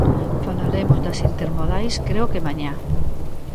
Falaremos das intermodais creo que mañá.